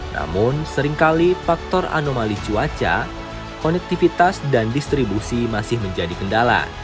namun seringkali faktor anomali cuaca konektivitas dan distribusi masih menjadi kendala